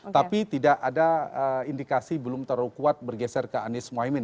tapi tidak ada indikasi belum terlalu kuat bergeser ke anies muhaymin